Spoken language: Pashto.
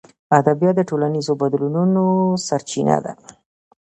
ادبیات د ټولنیزو بدلونونو سرچینه ده.